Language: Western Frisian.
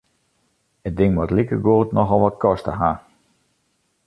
It ding moat likegoed nochal wat koste ha.